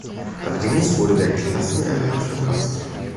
Allerdings wurde der Klassenerhalt verpasst.